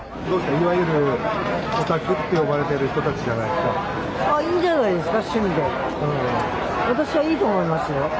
いわゆるオタクって呼ばれてる人たちじゃないですか。